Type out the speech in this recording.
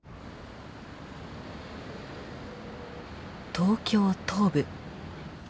東京・東部。